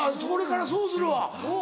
これからそうするわ。